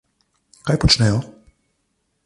Kaj počnejo?